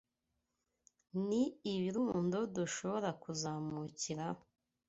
Ni ibirundo dushobora kuzamukiraho